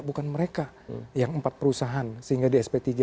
bukan mereka yang empat perusahaan sehingga di sp tiga